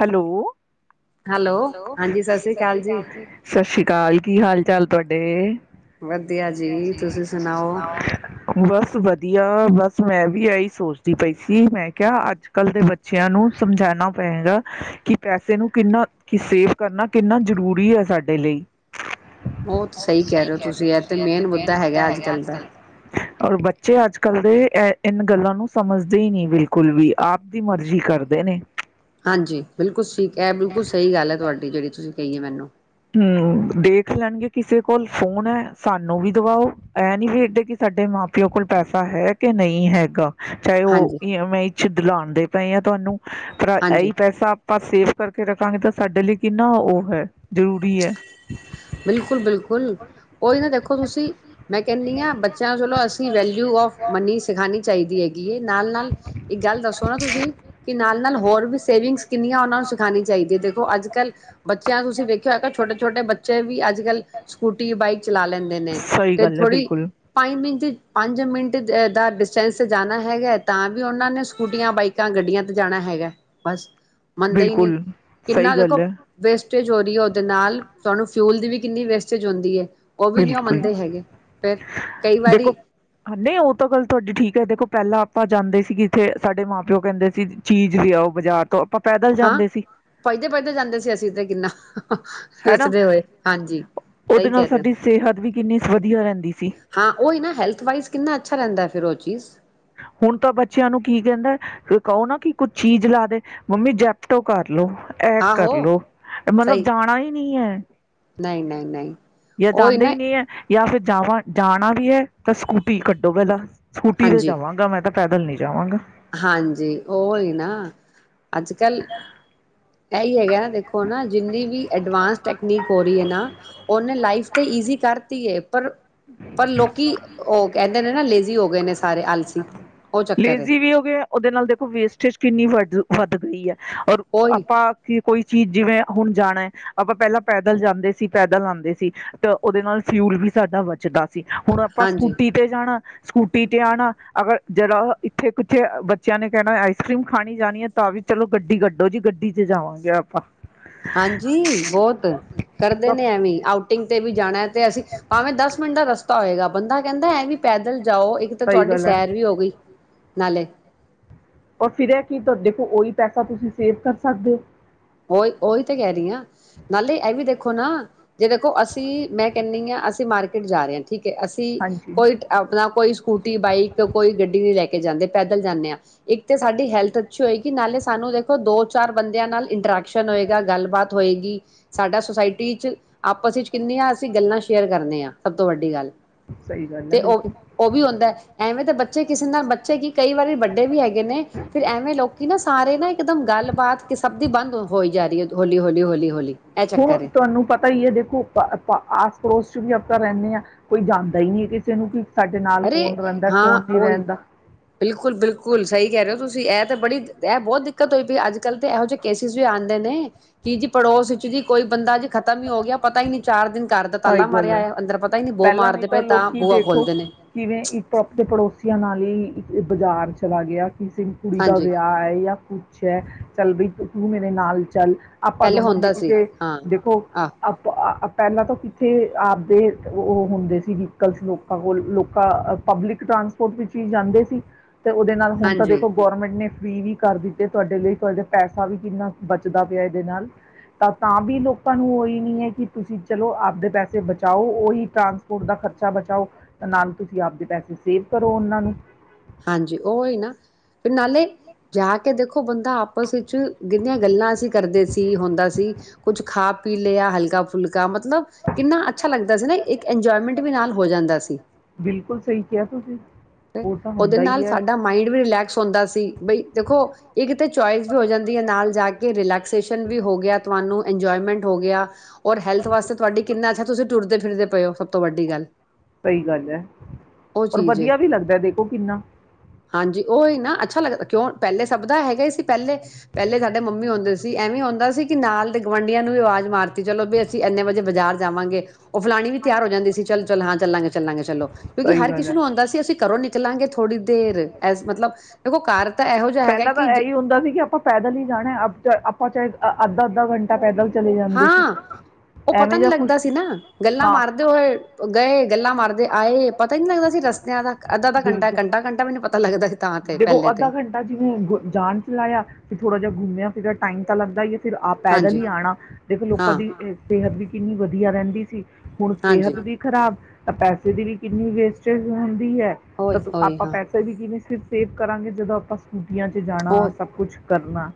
Hello, hello ਸਤਿ ਸ੍ਰੀ ਅਕਾਲ ਜੀ, ਸਤਿ ਸ੍ਰੀ ਅਕਾਲ। ਅਕਾਲ, ਕੀ ਹਾਲ-ਚਾਲ ਤੁਹਾਡੇ? ਵਧੀਆ ਜੀ, ਤੁਸੀ ਸੁਣਾਓ? ਬਸ ਵਧੀਆ, ਬਸ ਮੈਂ ਵੀ ਇਹੀ ਸੋਚਦੀ ਪਈ ਸੀ ਮੈਂ ਕਿਹਾ ਅੱਜ ਕੱਲ ਦੇ ਬੱਚਿਆਂ ਨੂੰ ਸਮਝਾਣਾ ਪਏਗਾ ਕਿ ਪੈਸੇ ਨੂੰ ਕਿੰਨਾ ਕਿ ਸੇਵ ਕਰਨਾ ਕਿੰਨਾ ਜ਼ਰੂਰੀ ਹੈ, ਸਾਡੇ ਲਈ ਉਹ ਤੇ ਸਹੀ ਕਹਿ ਰਹੇ ਹੋ ਤੁਸੀਂ ਇਹ ਤੇ ਮੇਨ ਮੁੱਦਾ ਹੈਗਾ ਅੱਜ ਕੱਲ ਦਾ ਔਰ ਬੱਚੇ ਅੱਜ ਕੱਲ ਦੇ ਇਹ ਇਹਨਾ ਗੱਲਾਂ ਨੂੰ ਸਮਝਦੇ ਹੀ ਨੀ ਬਿਲਕੁਲ ਵੀ ਆਪ ਦੀ ਮਰਜ਼ੀ ਕਰਦੇ ਨੇ। ਹਾਂਜੀ, ਬਿਲਕੁਲ ਠੀਕ ਇਹ ਬਿਲਕੁਲ ਸਹੀ ਗੱਲ ਹੈ ਤੁਹਾਡੀ ਜਿਹੜੀ ਤੁਸੀਂ ਕਹੀਏ ਮੈਨੂੰ ਹੂੰ, ਦੇਖ ਲੈਣਗੇ ਕਿਸੇ ਕੋਲ ਫੋਨ ਹੈ ਸਾਨੂੰ ਵੀ ਦਵਾਓ ਇਹ ਨੀ ਵੇਖਦੇ ਕਿ ਸਾਡੇ ਮਾਂ ਪਿਓ ਕੋਲ ਪੈਸਾ ਹੈ ਕਿ ਨਹੀਂ ਹੈਗਾ। ਚਾਹੇ ਹਾਂਜੀ ਉਹ ਮੈਂ ਇੱਛ ਲਾਦੇ ਪਏ ਆ ਤੁਹਾਨੂੰ ਪਰ ਹਾਂਜੀ ਇਹੀ ਪੈਸਾ ਆਪਾਂ ਸੇਫ ਕਰਕੇ ਰੱਖਾਂਗੇ ਤਾਂ ਸਾਡੇ ਲਈ ਕਿੰਨਾ ਉਹ ਹੈ। ਜ਼ਰੂਰੀ ਹੈ। ਬਿਲਕੁਲ-ਬਿਲਕੁਲ ਉਹੀ ਨਾ ਦੇਖੋ ਤੁਸੀਂ ਮੈਂ ਕਹਿੰਦੀ ਹਾਂ ਬੱਚਿਆਂ ਚਲੋ ਅਸੀਂ ਵੈਲਿਊ ਆਫ ਮਨੀ ਸਿਖਾਉਣੀ ਚਾਹੀਦੀ ਹੈ। ਨਾਲ-ਨਾਲ ਇੱਕ ਗੱਲ ਦੱਸੋ, ਨਾ ਤੁਸੀਂ ਕਿ ਨਾਲ ਨਾਲ ਹੋਰ ਵੀ ਸੇਵਿੰਗਸ ਕਿੰਨੀਆਂ ਉਹ ਨੂੰ ਸਿਖਾਣੀ ਚਾਹੀਦੀ ਹੈ, ਦੇਖੋ ਅੱਜ ਕੱਲ੍ਹ ਬੱਚਿਆਂ ਤੁਸੀਂ ਵ ਛੋਟੇ-ਛੋਟੇ ਬੱਚੇ ਵੀ ਅੱਜ ਕੱਲ੍ਹ ਸਕੂਟੀ ਬਾਈਕ ਚਲਾ ਲੈਂਦੇ ਨੇ ਸਹੀ ਤੇ ਗੱਲ ਹੈ ਥੋੜੀ ਬਿਲਕੁਲ ਪੰਜ ਮਿੰਟ ਚ ਪੰਜ ਮਿੰਟ ਦਾ ਡਿਸਟੈਂਸ ਤੇ ਜਾਣਾ ਹੈਗਾ, ਤਾਂ ਵੀ ਉਹਨਾਂ ਨੇ ਸਕੂਟੀਆਂ ਬਾਈਕਾਂ ਗੱਡੀਆਂ ਤੇ ਜਾਣਾ ਹੈਗਾ ਬਸ ਮੰਨਦੇ ਹੀ ਨੀ ਬਿਲਕੁਲ ਕਿੰਨਾ ਸਹੀ ਗੱਲ ਦੇਖੋ ਹੈ ਵੇਸਟੇਜ ਹੋ ਰਹੀ ਹੈ। ਦੇ ਨਾਲ ਤੁਹਾਨੂੰ ਫਿਊਲ ਦੀ ਵੀ ਕਿੰਨੀ ਵੇਸਟੇਜ ਹੁੰਦੀ ਐ। ਬਿਲਕੁਲ ਕਈ ਦੇਖੋ, ਵਾਰੀ ਨਹੀਂ ਉਹ ਤਾਂ ਗੱਲ ਤੁਹਾਡੀ ਠੀਕ ਹੈ ਦੇਖੋ। ਪਹਿਲਾਂ ਆਪਾਂ ਜਾਂਦੇ ਸੀ, ਕਿ ਇੱਥੇ ਸਾਡੇ ਮਾਂ ਪਿਓ ਕਹਿੰਦੇ ਸੀ ਚੀਜ਼ ਵੀ ਆਓ ਬਾਜ਼ਾਰ ਤੋਂ ਆਪਾਂ ਪੈਦਲ ਹਾਂ ਜਾਂਦੇ ਸੀ ਪਜਦੇ-ਪਜਦੇ ਜਾਂਦੇ ਸੀ ਅਸੀਂ ਤੇ ਕਿੰਨਾ ਹਨਾ ਰਚਦੇ ਹੋਏ ਹਾਂਜੀ ਉਹਦੇ ਸਹੀ ਨਾਲ ਕਹਿ ਰਹੇ ਸਾਡੀ ਸਿਹਤ ਵੀ ਕਿੰਨੀ ਵਧੀਆ ਰਹਿੰਦੀ ਸੀ ਔ ਉਹ ਨਾ ਹੈਲਥ ਵਾਈਜ਼ ਕਿੰਨਾ ਅੱਛਾ ਲਦਾ ਫਿਰ ਉਹ ਚੀਜ਼ ਹੁਣ ਤਾਂ ਬੱਚਿਆਂ ਨੂੰ ਕੀ ਕਹਿੰਦਾ ਕਹੋ ਨਾ ਕਿ ਕੁੱਝ ਚੀਜ਼ ਲਾ ਦੇ ਮੰਮੀ ਜੈਪਟੋ ਕਰ ਕਰਲੋ ਐ ਆਹੋ ਕਰਲੋ ਮਤਲਬ ਜਾਣਾ ਹੀ ਨੀ ਹੈ। [unintelligible] ਨਹੀਂ-ਨਹੀਂ-ਨਹੀਂ ਜਾਂ ਔਹੀ ਜਾਂਦੇ ਹੀ ਨਾ ਨਹੀਂ ਹੈ ਜਾਂ ਫਿਰ ਜਾਵਾਂ ਜਾਣਾ ਵੀ ਹੈ ਤਾਂ ਸਕੂਟੀ ਕੱਢੋ ਪਹਿਲਾਂ ਸਕੂਟੀ ਤੇ ਹਾਂਜੀ, ਜਾਵਾਂਗਾ ਮੈਂ ਤਾਂ ਪੈਦਲ ਨੀ ਜਾਵਾਂਗਾ। ਹਾਂਜੀ ਉਹ ਹੀ ਨਾ ਅੱਜ-ਕੱਲ੍ਹ, ਇਹੀ ਹੈਗਾ ਨਾ ਦੇਖੋ ਨਾ ਜਿੰਨੀ ਵੀ ਅਡਵਾਂਸ ਟੈਕਨੀਕ ਹੋ ਰਹੀ ਹੈ ਨਾ ਉਹਨੇ ਲਾਈਫ ਤੇ ਈਜ਼ੀ ਕਰਤੀ ਹੈ ਪਰ ਪਰ ਲੋਕੀ ਉਹ ਕਹਿੰਦੇ ਨੇ ਨਾ ਲੇਜ਼ੀ ਹੋ ਗਏ ਨੇ ਸਾਰੇ ਆਲਸੀ ਉਹ ਚੱਕਰ ਲੇਜ਼ੀ ਵੀ ਹੋ ਗਏ ਆ, ਉਹਦੇ ਨਾਲ ਦੇਖੋ ਵੇਸਟੇਜ ਕਿੰਨੀ ਵੱਡ ਵੱਧ ਗਈ ਹੈ ਔਰ ਉਹੀ ਆਪਾਂ ਕੀ ਕੋਈ ਚੀਜ਼ ਜਿਵੇਂ ਹੁਣ ਜਾਣਾ ਹੈ ਆਪਾਂ ਪਹਿਲਾਂ ਪੈਦਲ ਜਾਂਦੇ ਸੀ ਪੈਦਲ ਆਉਂਦੇ ਸੀ ਤਾਂ ਉਹਦੇ ਨਾਲ ਫਿਊਲ ਵੀ ਸਾਡਾ ਵਧ ਦੱਸ ਹੁਣ ਆਪਾਂ ਹਾਂਜੀ ਸਕੂਟੀ ਤੇ ਜਾਣਾ ਸਕੂਟੀ ਤੇ ਆਉਣਾ ਅਗਰ ਜਰਾ ਇੱਥੇ ਕੁੱਛੇ ਬੱਚਿਆਂ ਨੇ ਕਹਿਣਾ ਆਈਸ ਕਰ੍ਰੀਮ ਖਾਣੀ ਜਾਣੀ ਹੈ ਤਾਂ ਵੀ ਚਲੋ ਗੱਡੀ ਕੱਢੋ ਜੀ ਗੱਡੀ ਚ ਜਾਵਾਂਗੇ ਆਪਾਂ ਹਾਂਜੀ ਬਹੁਤ ਕਰਦੇ ਤਾਂ ਨੇ ਐਵੇਂ ਆਊਟਿੰਗ ਤੇ ਵੀ ਜਾਣਾ ਤੇ ਅਸੀਂ ਭਾਵੇਂ ਦਸ ਮਿੰਟ ਦਾ ਰਸਤਾ ਹੋਏਗਾ ਬੰਦਾ ਕਹਿੰਦਾ ਹੈ ਵੀ ਪੈਦਲ ਜਾਓ ਇੱਕ ਤਾਂ ਸਹੀ ਤੁਹਾਡੀ ਗੱਲ ਹੈ ਸੈਰ ਵੀ ਹੋ ਗਈ ਨਾਲਲੇੇ ਰ ਫਿਰ ਇਹ ਕੀ ਦੇਖੋ ਉਹੀ ਪੈਸਾ ਤੁਸੀਂ ਸੇਵ ਕਰ ਸਕਦੇ ਹੋ ਉਓਹੀ ਉਹੀ ਤਾਂ ਕਹਿ ਰਹੀ ਹਾਂ ਨਾਲੇ ਇਹ ਵੀ ਦੇਖੋ ਨਾ ਜੇ ਦੇਖੋ ਅਸੀਂ ਮੈਂ ਕਹਿੰਦੀ ਹਾਂ ਅਸੀਂ ਮਾਰਕੀਟ ਜਾ ਰਹੇ ਹਾਂ ਠੀਕ ਹੈ ਅਸੀਂ ਹਾਂਜੀ ਕੋਈ ਆਪਣਾ ਕੋਈ ਸਕੂਟੀ ਬਾਈਕ ਕੋਈ ਗੱਡੀ ਨਹੀ ਲੈ ਕੇ ਕੇ ਜਾਂਦੇ ਪੈਦਲ ਜਾਂਦੇ ਹਾਂ ਇੱਕ ਤੇ ਸਾਡੀ ਹੈਲਥ ਅੱਛੀ ਹੋਏਗੀ ਨਾਲੇ ਸਾਨੂੰ ਦੇਖੋ ਦੋ ਚਾਰ ਬੰਦਿਆਂ ਨਾਲ ਇੰਟਰੈਕਸ਼ਨ ਹੋਏਗਾ ਗੱਲਬਾਤ ਹੋਏਗੀ ਸਾਡਾ ਸੁਸਾਇਟੀ ' ਆਪਸ ਵਿੱਚ ਕਿੰਨੀਆਂ ਅਸੀਂ ਗੱਲਾਂ ਸ਼ੇਅਰ ਕਰਨੇ ਹਾਂ ਸਭ ਤੋਂ ਵੱਡੀ ਗੱਲ ਸਹੀ ਗੱਲ ਹੈ ਤੇ ਬਿਲਕੁਲ ਉਹ ਉਹ ਵੀ ਹੁੰਦਾ ਐਵੇਂ ਤਾਂ ਬੱਚੇ ਕਿਸੇ ਨਾਲ ਬੱਚੇ ਕੀ ਕਈ ਵਾਰੀ ਵੱਡੇ ਵੀ ਹੈਗੇ ਨੇ ਫਿਰ ਐਵੇਂ ਲੋਕੀ ਨਾ ਸਾਰੇ ਨਾ ਇਕਦਮ ਗੱਲਬਾਤ ਕਿਸਭ ਭ ਦੀ ਬੰਦ ਹੋਈ ਜਾ ਰਹੀ ਹੈ ਹੌਲੀ ਹੌਲੀ ਹੌਲੀ ਹਲੀ ਇਹ ਹੁਣ ਚੱਕਰ ਤੁਹਾਨੂੰ ਪਤਾ ਹੀ ਹੈ ਦੇਖੋ ਪ- ਪ- ਆਸ ਪੜੋਸ ਵੀ ਆਪਾਂ ਰਹਿੰਦੇ ਹਾਂ ਕੋਈ ਜਾਂਦਾ ਹੀ ਨਹੀ ਕਿਸੇ ਨੂੰ ਕਿ ਸਾਡੇ ਨਾਲ ਅਰੇ ਕੌਣ ਰਹਿੰਦਾ ਹਾਂ ਕੌਣ ਨਹੀਂ ਉਓਹੀ ਰਹਿੰਦਾ ਬਿਲਕੁਲ ਬਿਲਕੁਲ ਸਹੀ ਕਹਿ ਰਹੇ ਹੋ ਤੁਸੀਂ ਇਹ ਤਾਂ ਬੜੀ ਇਹ ਬਹੁਤ ਦਿੱਕਤ ਹੋਈ ਪਈ ਅੱਜ ਕੱਲ ਤੇ ਇਹੋ ਜਿਹੇ ਕੇਸਿਸ ਵੀ ਆਉਂਦੇ ਨੇ ਕਿ ਜੀ ਪੜੋਸ ਵਿੱਚ ਜੀ ਕੋਈ ਬੰਦਾ ਜੀ ਖਤਮ ਹੀ ਹੋ ਗਿਆ ਪਤਾ ਹੀ ਨਹੀਂੀ ਚਾਰ ਦਿਨ ਘਰ ਦਾ ਸਹੀ ਤਾਲਾ ਗੱਲ ਮਾਰਿਆ ਹੈ ਆਇਆ ਅੰਦਰ ਪਤਾ ਹੀ ਨਹੀਂੀ ਬੋ ਪਹਿਲਾਂ ਨਹੀਂ ਮਾਰਦੇ ਪਏ ਤਾਂ ਲੋਕੀ ਬੂਆ ਦੇਖੋ ਖੋਲਦੇ ਨੇ ਕਿਵੇਂ ੋਪ ਪੜੋ ਕਸੀਆਂ ਨਾਲ ਹੀ ਬਾਜ਼ਾਰ ਚਲਾ ਗਿਆ ਕਿਸੇ ਵੀ ਕੁੜੀ ਦਾ ਹਾਂਜੀ ਵਿਆਹ ਹੈ ਜਾਂ ੱਛ ਹੈ ਚੱਲ ਬਈ ਤੂੰ ਮੇਰੇ ਨਾਲ ਚੱਲ ਆਪਾਂ ਪਹਿਲੇ ਦੋਨੋ ਹੁੰਦਾ ਮਿਲ ਸੀ ਕੇ ਹਾਂ ਦੇਖੋ ਆਹ ਆਪ ਪਹਿਲਾਂ ਤੋਂ ਉੱਥੇ ਆਪਦੇ ਉਹ ਹੁੰਦੇ ਸੀ ਵਕਲਸ ਲੋਕਾਂ ਕੋਲ ਲੋਕਾਂ ਪਬਲਿਕ ਟਰਾਂਸਪੋਰਟ ਵਿੱਚ ਹੀ ਜਾਂਦੇ ਸੀ ਤੇ ਉਹਦੇ ਨਾਲ ਹੁਣ ਤਾਂ ਹਾਂਜੀ ਦੇਖੋ ਗੌਰਮੈਂਟ ਨੇ ਫੀ ਵੀ ਕਰ ਦਿੱਤੇ ਤੁਹਾਡੇ ਲਈ ਤੁਹਾਡੇ ਪੈਸਾ ਵੀ ਕਿੰਨਾ ਬਚਦਾ ਪਿਆ ਇਹਦੇ ਨਾਲ ਤਾਂ ਤਾਂ ਵੀ ਲੋਕਾਂ ਨੂੰ ਉਹੀ ਨੀ ਹੈ ਕਿ ਤੁਸੀਂ ਚਲੋ ਆਪਦੇ ਪੈਸੇ ਬਚਾਓ ਉਹੀ ਟਰਾਂਸਪੋਰਟ ਦਾ ਖਰਚਾ ਬਚਾਓ ਨਾਲ ਤੁਸੀਂ ਆਪਦੇ ਪੈਸੇ ਸੇਵ ਕਰੋ ਉਹਨਾਂ ਨੂੰ ਹਾਂਜੀ ਉਹੀ ਨਾ ਫਿਰ ਨਾਲੇ ਜਾ ਕੇ ਦੇਖੋ ਬੰਦਾ ਆਪਸ ਵਿੱਚ ਕਿਨੀਆਂ ਗੱਲਾਂ ਅਸੀਂ ਕਰਦੇ ਸੀ ਹੁੰਦਾ ਸੀ ਕੁੱਝ ਖਾ ਪੀ ਲਿਆ ਹਲਕਾ ਫੁਲਕਾ ਮਤਲਬ ਮਤਲਬ ਕਿੰਨਾ ਅੱਛਾ ਲੱਗਦਾ ਸੀ ਨਾ ਇੱਕ ਇੰਜੋਏਮੈਂਟ ਵੀ ਨਾਲ ਹੋ ਜਾਂਦਾ ਸੀ ਬਿਲਕੁਲ ਸਹੀ ਕਿਹਾ ਤੁਸੀਂ ਉਹ ਤਾਂ ਉਹਦੇ ਹੁੰਦਾ ਹੀ ਨਾਲ ਹੈ ਸਾਡਾ ਮਾਈੰਡ ਵੀ ਰਿਲੈਕਸ ਹੁੰਦਾ ਸੀ ਬਈ ਦੇਖੋ ਇਹ ਕਿਤੇ ਚੋਇਸ ਵੀ ਹੋ ਜਾਂਦੀ ਹੈ ਨਾਲ ਜਾ ਕੇ ਰਿਲੈਕਸੇਸ਼ਨ ਵੀ ਹੋ ਗਿਆ ਤੁਹਾਨੂੰ ਇੰਜੋਏਮੈਂਟ ਹੋ ਗਿਆ ਔਰ ਹੈਲਥ ਵਾਸਤੇ ਤੁਹਾਡੀ ਕਿੰਨਾ ਅੱਛਾ ਤੁਸੀ ਤੁਰਦੇ [unintelligible] ਸਭ ਤੋਂ ਵੱਡੀ ਗੱਲ ਸਹੀ ਗੱਲ ਹੈ ਉਹ ਪਰ ਚੀਜ਼ ਹੈ। ਵਧੀਆ ਵੀ ਲੱਗਦਾ ਦੇਖ ਉਹ ਕਿੰਨਾ ਹਾਂਜੀ ਉਹੀ ਨਾ ਅੱਛਾ ਲੱਗਦਾ ਕਿਉਂ ਪਹਿਲੇ ਸਭ ਦਾ ਹੈਗਾ ਹੀ ਸੀ ਪਹਿਲੇ ਪਹਿਲੇ ਸਾਡੇ ਮੰਮੀ ਹੁੰਦੇ ਸੀ ਐਵੇਂ ਹੁੰਦਾ ਸੀ ਕਿ ਨਾਲ ਦੇ ਗੁਵਆਂਢੀਆਂ ਨੂੰ ਵੀ ਆਵਾਜ਼ ਮਾਰ ਚਲੋ ਵੀ ਅਸੀਂ ਇੰਨੇ ਵਜੇ ਬਾਜ਼ਾਰ ਜਾਵਾਂਗੇ ਉਹ ਫਲਾਣੀ ਵੀ ਤਿਆਰ ਹੋ ਜਾਂਦੀ ਸੀ ਚੱਲ ਚਲ ਹਾਂ ਚੱਲਾਂਗੇ ਚੱਲਾਂਗੇ ਚਲੋ ਕਿਉਂਕਿ ਸਹੀ ਹਰ ਗੱਲ ਕਿਸੇ ਹੈ ਨੂੰ ਆਉਂਦਾ ਸੀ ਅਸੀਂ ਕਰੋਂ ਨਿਕਲਾਂਗੇ ਥੋੜ੍ਹੀ ਦੇਰ ਐ ਮਤਲਬ ਦੇਖੋ ਘਰ ਤਾਂ ਇਹੋ ਜਿ ਪਹਿਲਾਂ ਤਾਂ ਇਹੀ ਹੁੰਦਾ ਸੀ ਕਿ ਆਪਾਂ ਪੈਦਲ ਹੀ ਜਾਣਾ ਆਪਾਂ ਚਾਹੇ ਅੱਧਾ ਅੱਧਾ ਘੰਟਾ ਪੈਦਲ ਚਲੇ ਜਾਂਦੇ ਸੀ ਹਾਂ ਉਹ ਪਤਾ ਐਵੇਂ ਨੀ ਜਾਂ ਲੱਗਦਾ ਕੁਛ ਸੀ ਨਾ ਗੱਲਾਂ ਹਾਂ ਮਾਰਦੇ ਹੋਏ ਗਏ ਗੱਲਾਂ ਮਾਰਦੇ ਆਏ ਪਤਾ ਹੀ ਨਹੀਂ ਲੱਗਦਾ ਸੀ ਰਸਤਿਆਂ ਦਾ ਅੱਧ ਅੱਧਾ ਘੰਟਾ ਘੰਟਾ ਘੰਟਾ ਵੀ ਨੀ ਪਤਾ ਲੱਗਦਾ ਤਾਂ ਤੇ ਜਦੋਂ ਪਹਿਲੇ ਅੱਧਾ ਤੇ ਘੰਟਾ ਜਿਵੇਂ ਜਾਣ ਚ ਲਾਇਆ ਤੇ ਥੋੜਾ ਜਿਹਾ ਗੁ ਟਾਈਮ ਤਾਂ ਲੱਗਦਾ ਏ ਫਿਰ ਆਪ ਪੈਦਲ ਹਾਂਜੀ ਹੀ ਆਉਣਾ ਦੇਖੋ ਲੋਕਾਂ ਹਾਂ ਦੀ ਸਿਹਤ ਵੀ ਕਿੰਨੀ ਵਧੀਆ ਰਹਿੰਦੀ ਸੀ ਹੁਣ ਹਾਂਜੀ ਸਿਹਤ ਵੀ ਖ਼ਰਾਬ ਤਾਂ ਪੈਸੇ ਦੀ ਵੀ ਕਿੰਨੀ ਵੇਸਟਜ ਹੈ ਉਹੀ ਤਾਂ ਉਹੀ ਆਪਾਂ ਹਾਂ ਪੈਸੇ ਵੀ ਕਿਵੇਂ [inaudible] ਸੇਵ ਕਰਾਂਗੇ ਜਦੋਂ ਆਪਾਂ [unintelligible] ਜਾਣਾ ਉਹ ਸਭ ਕੁਛ ਕਰਨਾ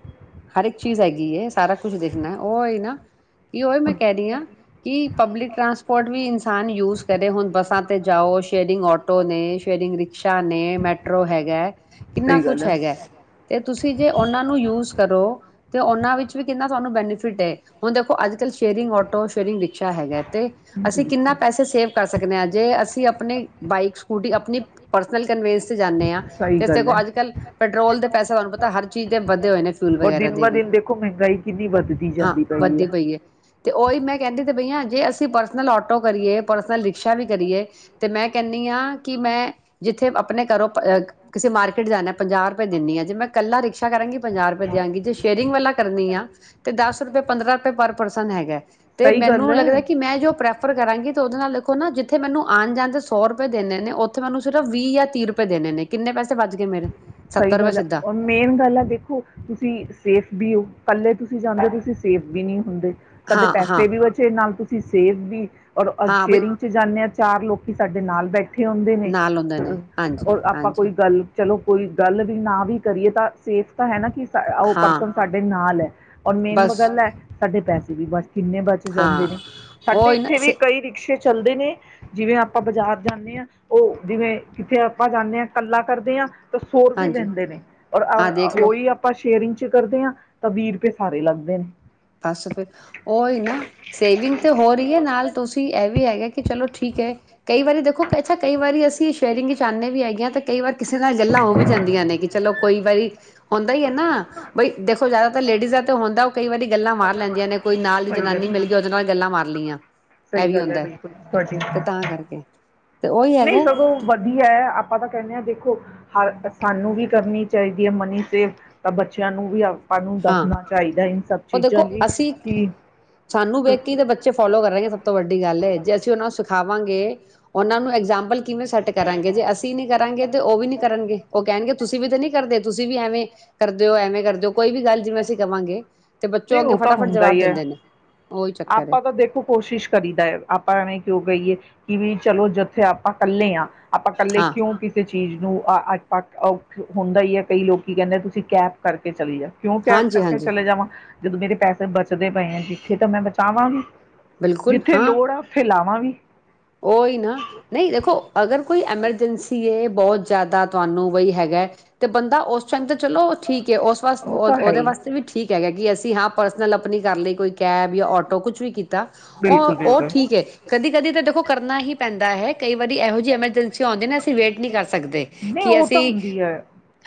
ਹਰ ਇੱਕ ਚੀਜ਼ ਹੈਗੀ ਹ ਸਾਰਾ ਕੁਝ ਦੇਖਣਾ ਉਹ ਹੀ ਨਾ ਕੀ ਉ ਈ ਮੈਂ ਕਹਿ ਰਹੀ ਉਹ- ਆਂ ਕਿ ਪਬਲਿਕ ਟਰਾਂਸਪੋਰਟ ਵੀ ਆਨ ਯੂਜ਼ ਪੈ ਦੇ ਹੁਣ ਬੱਸਾਂ 'ਤੇ ਜਾਓ ਸੇਰਿੰਗ ਆਟੋ ਨੇ ਸ਼ੇਰਿੰਗ ਰਿਕ ਰਿਕਸ਼ਾ ਨੇ ਮੈਟਰੋ ਹੈਗਾ ਕਿੰਨਾ ਸਹੀ ਗੱਲ ਕੁਛ ਹੈ ਹੈਗਾ ਤੇ ਤੁਸੀਂ ਜੇ ਉਹਨਾ ਨੂੰ ਯੂਜ ਸ ਤੇ ਉਹਨਾਂ ਵਿੱਚ ਵੀ ਕਿੰਨਾ ਤੁਹਾਨੂੰ ਬੈਨੀਫਿਟ ਹ ਹੁਣ ਦੇਖੋ ਅੱਜ ਕੱਲ ਸ਼ੇਅਰਿੰਗ ਆਟੋ ਸ਼ੇਅਰਿੰਗ ਰਿਕਸ਼ਾ ਹੈਗਾ ਤੇ ਅਸੀਂ ਕਿੰਨਾ ਪੈਸੇ ਸੇਵ ਕਰ ਸਕਦੇ ਹਾਂ ਜੇ ਅਸੀਂ ਆਪਣੀ ਬਾਈਕ ਸਕੂਟੀ ਆਪਣੀ ਪਰਸਨਲ ਕਨਵੀਨਸ ਜਾਂਨੇ ਆ ਸਹੀ ਤੇ ਗੱਲ ਹੈ। ਸਗੋ ਅੱਜ ਕੱਲ ਪੈਟਰੋਲ ਦੇ ਪੈਸਾ ਤੁਹਾਨੂੰ ਪਤਾ ਹਰ ਚੀਜ਼ ਦੇ ਵਧੇ ਹੋਏ ਨੇ ਫੂਲ ਔਰ ਵਗੈਰਾ ਦਿਨ ਦੇ ਬ ਦੀ ਦਿਨ ਦੇਖੋ ਮਹਿੰਗਾਈ ਕਿੰਨੀ ਵੱਧਦੀ ਹਾਂ ਜਾਂਦੀ ਪਈ ਵੱਧਦੀ ਹੈ ਪਈਏ ਤੇ ਉਹੀ ਮੈਂ ਕਹਿੰਦੀ ਤੇ ਪਈ ਹ ਜੇ ਅਸੀਂ ਪਰਸਨਲ ਆਟੋ ਕਰੀਏ ਪਰਸਨਲ ਰਿਕਸ਼ਾ ਵੀ ਕਰੀਏ ਤੇ ਮੈਂ ਕਹਿੰਨੀ ਆ ਕਿ ਮੈਂ ਜਿੱਥੇ ਆਪਣੇ ਘਰੋਂ ਕਿਸੇ ਮਾਰਕੀਟ ਜਾਣਾ ਪੰਜਾਹ ਰੁਪਏ ਦਿਨੀ ਆ ਜੇ ਮੈਂ ਕੱਲਾ ਰਿਕਸ਼ਾ ਕਰਾਂਗੀ ਵਧਿਆਂਗੀ ਤੇ ਸ਼ੇਅਰਿੰਗ ਵਾਲਾ ਕਰਨੀ ਆ ਤੇ ਦੱਸ ਦਸ ਰੁਪਏ ਪੰਦਰਾਂ ਰੁਪਏ ਪਰ ਪਰਸਨ ਹੈਗਾ ਤੇ ਸਹੀ ਗੱਲ ਮੈਨੂੰ ਹੈ ਲੱਗਦਾ ਕਿ ਮੈਂ ਜੋ ਪਰੇ ਐਫਰ ਕਰਾਂਗੀ ਉਹਦੇ ਨਾਲ ਦੇਖੋ ਨਾ ਜਿੱਥੇ ਮੈਨੂੰ ਆਉਣ ਜਾਣ ਤੇ ਸੌ ਰੁਪਏ ਦੇਣੇ ਨੇ ਉੱਥੇ ਮੈ ਸਿਰਫ ਵੀਹ ਜਾਂ ਤੀਹ ਰੁਪਏ ਦੇਣੇ ਨੇ ਕਿੰਨੇ ਪੈਸੇ ਬਚ ਗਏ ਮੇਰੇ ਸਹੀ ਸੱਤਰ ਰੁਪਏ ਗੱਲ ਸਿੱਧਾ ਔਰ ਮੇਨ ਗੱਲ ਆ ਦੇਖੋ ਤੁਸੀਂ ਸੇਫ ਵੀ ਹੋ ਪੱਲੇ ਤੁਸੀਂ ਜਾਂਦੇ ਤੁਸੀਂ ਸੇਫ ਵੀ ਨਹੀਂ ਹੁੰਦੇ ਤਾਂਡੇ ਹਾਂ ਹਾਂ ਪੈਸੇ ਵੀ ਬਚੇ ਨਾਲ ਤੁਸੀਂ ਸੇਵ ਵੀ ਤੀ ਔਰ ਹਾਂ ਬਈ ਸ਼ੇਅਰਿੰਗ ਚ ਜਾਂਨੋ ਜੇ ਚਾਰ ਲੋਕੀ ਸਾਡੇ ਨਾਲ ਬੈਠੇ ਇਕੱਠੇ ਆਉਂਦੇ ਨੇ ਨਾਲ ਆਉਂਦੇ ਨੇ ਹਾਂਜੀ ਔਰ ਆਪਾਂ ਕੋਈ ਹਾਂਜੀ ਗੱਲ ਚਲੋ ਕੋਈ ਗੱਲ ਵੀ ਨਾ ਵੀ ਕਰੀਏ ਤਾਂ ਸੇਫ ਤਾਂ ਹੈ ਨਾ ਕਿ ਸ ਉਹ ਹਾਂ ਪਰਸਨ ਸਾਡੇ ਨਾਲ ਹੈ ਔਰ ਮੇਨ ਬਸ ਗੱਲ ਹੈ ਸਾਡੇ ਪੈਸੇ ਬਚ ਕਿੰਨੇ ਬਚ ਜਾਂਦੇ ਹਾਂ ਨੇ ਸਾਡੇ ਉਹੀ ਨਾ ਇੱਥੇ ਵੀ ਸੇ ਕਈ ਰਿਕਸ਼ੇ ਚਲਦੇ ਨੇ ਜਿਵੇਂ ਆਪਾਂ ਬਜ਼ਾਰ ਜਾਨੇ ਆਂ ਉਹ ਜਿਵੇਂ ਕਿੱਥੇ ਆਪਾਂ ਜਾਂਦੇ ਆ ਇਕੱਲਾ ਕਰਦੇ ਆਂ ਹੋਰ ਵੀ ਹਾਂਜੀ ਲੈਂਦੇ ਨੇ ਔਰ ਹਾਂ ਦੇਖ ਲਓ ਉਹੀ ਆਪਾਂ ਸ਼ੇਅਰਿੰਗ ਚ ਕਰਦੇ ਆਂ ਤਾਂ ਵੀਹਰੁਪਏ ਸਾਰੇ ਲੱਗਦੇ ਨੇ ਆ ਸਵਿੰਗ ਤੇ ਹੋ ਰਹੀ ਹ ਨਾਲ ਤੁਸੀਂ ਇਹ ਵੀ ਹੈਗਾ ਕਿ ਚਲੋ ਠੀਕ ਹ ਕਈ ਵਾਰੀ ਦੇਖੋ ਉਹ ਕਹਿੰਦਾ ਕਈ ਵਾਰੀ ਅਸੀਂ ਸ਼ਾਇਰਿੰਗ ਚਾਨੇ ਵੀ ਹੈਗੇ ਆ ਤੇ ਕਈ ਵਾਰ ਸਦਾ ਗੱਲਾਂ ਉਹ ਵੀ ਜਾਂਦੀਆਂ ਨੇ ਕਿ ਚਲੋ ਕੋਈ ਬਈ ਹੁਦਾ ਈ ਹੈ ਨਾ ਬਾਈ ਦੇ ਜਿਆਦਾ ਤਾਂ ਲੇਡੀਜ਼ ਦਾ ਤੇ ਹੁੰਦਾ ਉਹ ਕਈ ਵਾਰੀ ਗੱਲਾਂ ਮਾਰ ਲੈਂਦੀਆਂ ਨੇ, ਕੋਈ ਨਾਲ ਦੀ ਸਹੀ ਜਨਾਨੀ ਗੱਲ ਮਿਲ ਗਈ, ਉਹਦੇ ਨਾਲ ਗੱਲਾਂ ਮਾਰ ਲਈਆਂ। ਇਹ ਸਹੀ ਵੀ ਗੱਲ ਹੈ ਹੁੰਦਾ ਬਿਲਕੁਲ, ਤੁਹਾਡੀ ਤੇ ਤਾਂ ਕਰਕੇ ਤੇ ਉਹੀ ਨਹੀਂ ਹੈਗਾ ਸਗੋਂ ਵਧੀਆ, ਆਪਾਂ ਤਾਂ ਕਹਿੰਦੇ ਹਾਂ ਦੇਖ ਹਰ ਸਾਨੂੰ ਵੀ ਕਰਨੀ ਚਾਹੀਦੀ ਹੈ ਮਨੀ ਸੇਵ, ਤਾਂ ਬੱਚਿਆਂ ਨੂੰ ਵੀ ਨੂੰ ਹਾਂ, ਦੱਸਣਾ ਚਾਹੀਦਾ ਇਨ ਸਭ ਉਹ ਚੀਜ਼ਾਂ ਦੇਖੋ ਲਈ ਅਸੀਂ ਕਿ ਸਾਨੂੰ ਵੇਖ ਕੇ ਈ ਤਾਂ ਬੱਚੇ ਫੋਲੋ ਕਰਨਗੇ, ਸਭ ਤੋਂ ਵੱਡੀ ਗੱਲ ਹੈ ਜੇ ਅਸੀਂ ਉਹਨਾਂ ਨੂੰ ਸਿਖਾ ਵਾਂਗੇ ਉਹਨਾਂ ਨੂੰ ਐਗਜਾਮਪਲ ਕਿਵੇਂ ਸੈੱਟ ਕਰਾਂਗੇ ਜੇ ਅਸੀਂ ਨੀ ਕਰਾਂਗੇ ਤੇ ਉਹ ਵੀ ਨੀ ਕਰਨਗੇ, ਉਹ ਕਹਿਣਗੇ। ਤੁਸੀਂ ਵੀ ਤਾਂ ਨਹੀਂ ਕਰਦੇ, ਤੁਸੀਂ ਵੀ ਐਵੇਂ ਕਰਦੇ ਹੋ, ਐਵੇਂ ਕਰਦੇ ਹੋ। ਕੋਈ ਵੀ ਗੱਲ ਜਿਵੇਂ ਅਸੀਂ ਕਵਾਂਗੇ ਤੇ ਬੱਚੋਂ ਨਹੀਂ ਅੱਗੇ ਉਹ ਤਾਂ ਫਟਾਫਟ ਹੁੰਦਾ ਜਵਾਬ ਹੀ ਹੈ, ਦਿੰਦੇ ਨੇ ਉਹੀ ਚੱਕਰ ਹੈ ਆਪਾਂ ਤਾਂ ਦੇਖੋ ਕੋਸ਼ਿਸ਼ ਕਰੀਦਾ, ਆਪਾਂ ਐਵੇਂ ਕਿਉਂ ਕਹੀਏ। ਕਿ ਬਈ ਚੱਲੋ, ਜਿੱਥੇ ਆਪਾਂ ਇਕੱਲੇ ਹਾਂ ਆਪਾਂ ਇਕੱਲੇ, ਹਾਂ ਕਿਉਂ ਕਿਸੇ ਚੀਜ਼ ਨੂੰ ਅ ਅ ਪੱਕ ਹੁੰਦਾ ਹੀ ਹੈ, ਕਈ ਲੋਕੀਂ ਕਹਿੰਦੇ ਤੁਸੀਂ ਕੈਬ ਕਰਕੇ ਚਲੀ ਜਾ। ਕਿਉਂ ਕੈਬ ਹਾਂਜੀ ਕਰਕੇ ਹਾਂਜੀ ਚਲੇ ਜਾਵਾਂ। ਜਦੋਂ ਮੇਰੇ ਪੈਸੇ ਬਚਦੇ ਪਏ ਆ, ਜਿੱਥੇ ਤਾਂ ਮੈਂ ਬਚਾਵਾਂਗੀ। ਬਿਲਕੁਲ ਜਿੱਥੇ ਹਾਂ ਲੋੜ ਆ, ਉਥੇ ਲਾਵਾਂ ਵੀ। ਉਹੀ ਨਾ, ਨਹੀਂ ਦੇਖੋ ਅਗਰ ਕੋਈ ਐਮਰਜੈਂਸੀ ਏ ਬਹੁਤ ਜ਼ਿਆਦਾ ਤੁਹਾਨੂੰ ਵਈ ਹੈਗਾ, ਤੇ ਬੰਦਾ ਉਸ ਟਾਈਮ ਤੇ ਚਲੋ ਠੀਕ ਹੈ, ਉਸ ਵਾਸਤੇ ਉਹ ਤਾਂ ਹੈ ਉਹਦੇ ਹੀ ਵਾਸਤੇ ਵੀ ਠੀਕ ਹੈਗਾ ਕਿ ਅਸੀਂ ਹਾਂ ਪਰਸਨਲ, ਆਪਣੀ ਕਰ ਲਈ ਕੋਈ ਕੈਬ, ਜਾਂ ਆਟੋ ਕੁਛ ਵੀ ਕੀ ਤਾ, ਬਿਲਕੁਲ ਉਹ ਉਹ ਬਿਲਕੁਲ ਠੀਕ ਏ, ਕਦੀ- ਕਦੀ ਤਾਂ ਦੇਖੋ। ਕਰਨਾ ਹੀ ਪੈਂਦਾ ਹੈ। ਕਈ ਵਾਰੀ ਇਹੋ ਜਿਹੀ ਐਮਰਜੈਂਸੀ ਆਉਂਦੀ, ਨਾ ਅਸੀਂ ਵੇਟ ਨਹੀਂ ਕਰ ਸਕਦੇ ਨਹੀਂ ਕਿ ਉਹ ਤਾਂ ਅਸੀਂ ਹੁੰਦੀ ਹੈ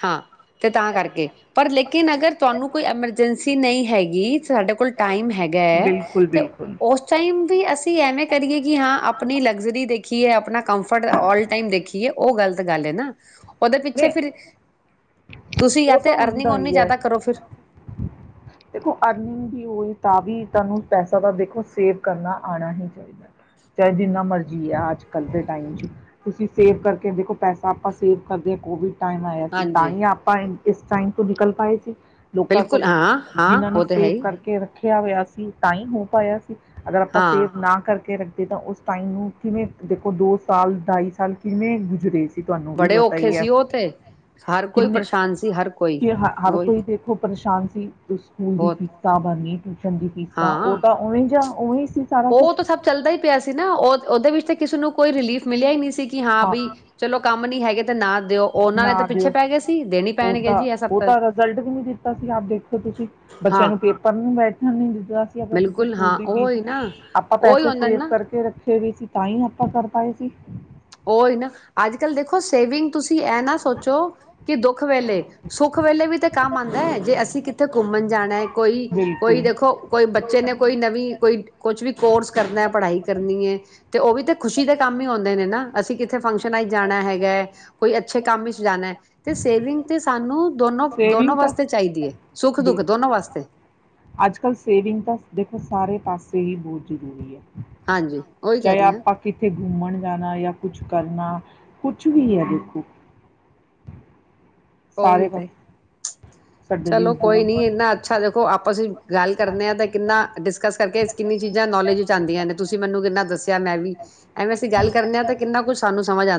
ਹਾਂ, ਤੇ ਤਾਂ ਕਰਕੇ ਪਰ ਲੇਕਿਨ ਅਗਰ ਤੁਹਾਨੂੰ ਕੋਈ ਐਮਰਜੈਂਸੀ ਕਿ ਨਹੀਂ ਹੈਗੀ। ਸਾਡੇ ਕੋਲ ਟਾਈਮ ਹੈਗਾ, ਬਿਲਕੁਲ ਤੇ ਬਿਲਕੁਲ ਉਸ ਟਾਈਮ ਵੀ ਅਸੀਂ ਐਵੇਂ ਕਰੀਏ ਕਿ ਹਾਂ ਆਪਣੀ ਲਗਜ਼ਰੀ ਦੇਖੀ ਕਿ ਆਪਣਾ ਕਮਫਰਟ, ਆਲ ਟਾਈਮ ਦੇਖੀਏ, ਉਹ ਗ਼ਲਤ ਗੱਲ ਹੈ ਨਾ। ਉਹਦੇ ਪਿੱਛੇ ਨਹੀਂ ਫਿਰ, ਤੁਸੀਂ ਯਾ ਉਹ ਤਾਂ ਤੇ ਅਰਨਿੰਗ, ਹੁੰਦਾ ਉਰਨਿੰਗ ਹੀ ਹੈ ਜ਼ਿਆਦਾ ਕਰੋ ਫਿਰ। ਦੇਖੋ ਅਰਨਿੰਗ ਵੀ ਹੋਵੇ ਤਾਂ ਵੀ ਤੁਹਾਨੂੰ ਪੈਸਾ ਦਾ ਦੇਖੋ, ਸੇਵ ਕਰਨਾ ਆਣਾ ਹੀ ਚਾਹੀਦਾ, ਚਾਹੇ ਜਿੰਨਾ ਮਰਜ਼ੀ ਹੈ, ਅੱਜ ਕੱਲ ਦੇ ਟਾਈਮ ਚ ਤੁਸੀਂ ਸੇਵ ਕਰਕੇ ਦੇਖੋ ਪੈਸਾ ਆਪਾਂ ਸੇਵ ਕਰਦੇ ਹਾਂ ਕੋਵਿਡ ਟਾਈਮ ਆਇਆ ਸੀ, ਤਾਂ ਹਾਂਜੀ ਹੀ ਆਪਾਂ ਇਸ ਟਾਈਮ ਤੋਂ ਨਿਕਲ ਪਾਏ ਸੀ ਲੋਕਾਂ ਬਿਲਕੁਲ ਕੋਲ ਹਾਂ ਹਾਂ ਜਿੰਨਾ ਨੇ ਉਹ ਤੇ ਹੈ ਸੇਵ ਹੀ ਕਰਕੇ ਰੱਖਿਆ ਹੋਇਆ ਸੀ, ਤਾਂ ਹੀ ਹੋ ਪਾਇਆ ਸੀ, ਅਗਰ ਆਪਾਂ ਹਾਂ ਸੇਵ ਨਾ ਕਰਕੇ ਰੱਖਦੇ ਤੇ ਤਾਂ ਉਸ ਟਾਈਮ ਨੂੰ ਕਿਵੇਂ ਦੇਖੋ, ਦੋ ਸਾਲ ਢਾਈ ਸਾਲ ਕਿਵੇਂ ਗੁਜਰੇ ਸੀ। ਤੁਹਾਨੂੰ ਵੀ ਬੜੇ ਪਤਾ ਔਖੇ ਹੀ ਹੈ ਸੀ ਉਹ ਤੇ ਹਰ ਕੋਈ ਕਿੰਨੇ ਪਰੇਸ਼ਾਨ ਸੀ ਹਰ ਕੋ ਕਿ ਹ ਹਰ ਕੋਈ ਦੇਖੋ [inaudible] ਸਕੂਲ ਦੀ ਫ਼ੀਸਾਂ ਬਰਨੀ ਟਿਊਸ਼ਨ ਦੀ ਫੀਸਾਂ ਉਹ ਹਾਂ ਤਾਂ ਓਵੇਂ ਜਾ ਓਹੀ ਉਹ ਤਾਂ ਸਭ ਚੱਲਦਾ ਹੀ ਪਿਆ ਸੀ ਨਾ ਉਹ ਉਹਦੇ ਵਿੱਚ ਤੇ ਕਿਸੇ ਨੂੰ ਕੋਈ ਰਿਲੀਫ ਮਿਲਿਆ ਹੀ ਨਹੀਂ ਸੀ ਕੀ ਹਾਂ ਬੀ ਚਲੋ ਕੰਮ ਨੀ ਹੈ ਨਾ ਦਿਓ ਦੇਣੀ ਉਹ ਪੈਣਗੇ ਤਾਂ ਜੀ ਇਹ ਸਭ ਉਹ ਤਾਂ ਰਿਜਲਟ ਵੀ ਨੀ ਦਿੱਤਾ ਸੀ ਆਪ ਦੇਖੋ ਤੁਸੀਂ ਬੱਚਿਆਂ ਹਾਂ ਨੂੰ ਪੇਪਰ ਨੂੰ ਬੈਠਣ ਨੀ ਦਿੱਤਾ ਅਗਰ ਤੁਸੀਂ ਬਿਲਕੁਲ ਸਕੂਲ ਹਾਂ ਦੀ ਫੀਸ ਉਹੀ ਨਾ ਆਪਾਂ ਉਹੀ ਪੈਸੇ ਹੁੰਦਾ ਸੇਵ ਨਾ ਕਰਕੇ ਰੱਖੇ [unintelligible] ਵੀ ਸੀ ਤਾਂ ਹੀ ਆਪਾਂ ਕਰ ਪਾਏ ਸੀ ਉਹਹੀ ਨਾ ਅੱਜ ਕੱਲ੍ਹ ਦੇਖੋ ਸੇਵਿੰਗ ਤੁਸੀਂ ਇਹ ਨਾ ਸੋਚੋ ਕਿ ਦੋ ਸੁੱਖ ਵੇਲੇ ਸੁੱਖ ਵੇਲੇ ਵੀ ਤਾਂ ਕੰਮ ਆਉਂਦਾ ਹੈ ਜੇ ਅਸੀਂ ਕੀ ਉੱਥੇ ਘੁੰਮਣ ਜਾਣਾ ਕੋਈ-ਕੋਈ ਬਿਲਕੁਲ ਦੇਖੋ ਕੋਈ ਬੱਚੇ ਨੇ ਕੋਈ ਨਵੀਂ ਕੋਈ ਕੁਛ ਵੀ ਕੋਰਸ ਕਰਨਾ ਐ ਪੜ੍ਹਾਈ ਕਰਨੀ ਐ ਤੇ ਉਹ ਵੀ ਤਾਂ ਖੁਸ਼ੀ ਦੇ ਕੰਮ ਹੀ ਆਉਂਦੇ ਨੇ ਨਾ ਅਸੀਂ ਕਿੱਥੇ ਫੰਕਸ਼ਨਾਂ ਵਿੱਚ ਜਾਣਾ ਹੈਗਾ ਕੋਈ ਅੱਛੇ ਕੰਮ ਵਿੱਚ ਜਾਣਾ ਤੇ ਸੇਵਿੰਗ ਤੇ ਸਾਨੂੰ ਦੋਨੋ ਦੋਨੋ ਸੇਵਿੰਗ ਤਾਂ ਵਾਸਤੇ ਚਾਹੀਦੀ ਐ ਸੁੱਖ ਦੁੱਖ ਬਿਲਕੁਲ ਦੋਨੋ ਵਾਸਤੇ ਅੱਜ ਕੱਲ੍ਹ ਸੇਵਿੰਗ ਤਾਂ ਦੇਖੋ ਸਾਰੇ ਪਾਸੇ ਹੀ ਬਹੁਤ ਜ਼ਰੂਰੀ ਐ ਹਾਂਜੀ ਉਹੀ ਕਹਿ ਚਾਹੇ ਰਹੀ ਹਾਂ ਆਪਾਂ ਕਿੱਥੇ ਘੁੰਮਣ ਜਾਣਾ ਜਾਂ ਕੁੱਛ ਕਰਨਾ ਕੁੱਛ ਵੀ ਹੈ ਦੇਖੋ ਸਾਰੇ ਓਹੀ ਤੇ ਪਾਸੇ ਸਾਡੇ ਲਈ ਚਲੋ ਕੋਈ ਨੀ ਇਨਾਂ ਅੱਛਾ ਦੇਖੋ ਆਪਸ ਗੱਲ ਕਰਦੇ ਆ ਤੇ ਕਿੰਨਾ ਡਿਸਕਸ ਕਰ ਕਿੰਨੀਆਂ ਚੀਜ਼ਾਂ ਨੌਲੇਜ ਚ ਆਂਦੀਆਂ ਨੇ ਤੁਸੀਂ ਮੈਨੂੰ ਕਿੰਨਾ ਦੱਸਿਆ ਮੈਂ ਵੀ ਐਵੇਂ ਅਸੀਂ ਗੱਲ ਕਰਨੇ ਆ ਤਾਂ ਕਿੰਨਾ ਕੁਛ ਸਾਨੂੰ ਸਮਝ ਆਂ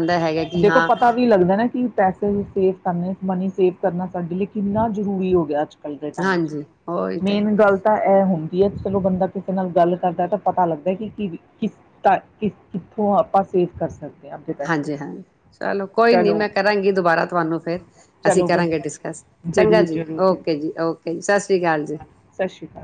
ਦੇਖੋ ਪਤਾ ਵੀ ਲੱਗਦਾ ਨਾ ਕਿ ਪੈਸੇ ਸੇਫ ਕਰਨੇ ਮਨੀ ਸੇਵ ਕਰਨਾ ਸਾਡੇ ਲਈ ਕਿੰਨਾ ਜ਼ਰੂਰੀ ਹੋ ਗਿਆ ਅੱਜ ਕੱਲ ਦੇ ਟਮ ਚ ਹਾਂਜੀ ਉਹੀ ਤੇ ਮੇਨ ਗੱਲ ਤਾਂ ਇਹ ਹੁੰਦੀ ਹੈ ਚਲੋ ਬੰਦਾ ਕਿਸੇ ਨਾਲ ਗੱਲ ਕਰਦਾ ਤਾਂ ਪਤਾ ਲੱਗਦਾ ਕਿ ਕਿਸ [unintelligible] ਕਿੱਥੋਂ ਆਪਾਂ ਸੇਫ ਕਰ ਸਕਦੇ ਆਪਦੇ ਪੈਸੇ ਹਾਂਜੀ ਹਾਂ ਚਲੋ ਕੋਈ ਨੀ ਮੈਂ ਕਰਾਂਗੀ ਦੁਬਾਰਾ ਤੁਹਾਨੂੰ ਫੇਰ ਅਸੀਂ ਚਲੋ ਵਧ- ਕਰਾਂਗੇ ਡਿਸਕਸ ਚੰਗਾ ਜ਼ਰੂਰ ਜੀ ਜ਼ਰੂਰ ਜ਼ਰੂਰ ਓਕੇ ਜੀ ਓਕੇ ਜੀ ਸਤਿ ਸ੍ਰੀ ਅਕਾਲ ਜੀ ਸ਼੍ਰੀ ਅਕਾਲ ਸਤਿ ਸ਼੍ਰੀ ਅਕਾਲ